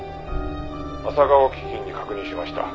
「あさがお基金に確認しました」